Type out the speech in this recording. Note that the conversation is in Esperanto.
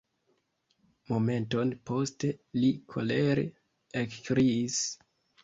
Momenton poste li kolere ekkriis: